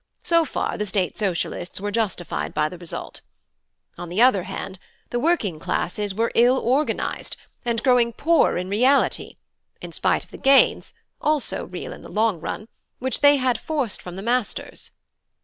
So far the State Socialists were justified by the result. On the other hand, the working classes were ill organised, and growing poorer in reality, in spite of the gains (also real in the long run) which they had forced from the masters.